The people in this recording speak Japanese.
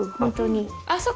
あっそっか。